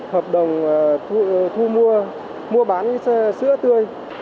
hợp đồng thu mua mua bán sữa tươi